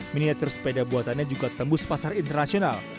miniatur sepeda buatannya juga tembus pasar internasional